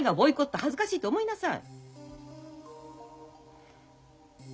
恥ずかしいと思いなさい。